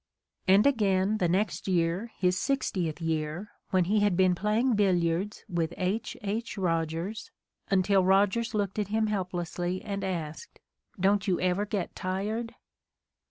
And again, the next year, his sixtieth year, when he had been playing billiards with H. H. Eogers, until Rogers looked at him helplessly and asked, "Don't you ever get tired?"